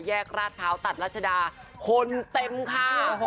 แยกราชเภาฯตัดรัชดาถุคนเต็มค่ะ